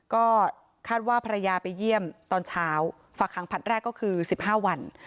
ก็คาดว่าภรรยาไปเยี่ยมตอนเช้าฝากหางผลัดแรกก็คือ๑๕วัน